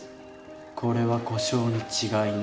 これは故障に違いない。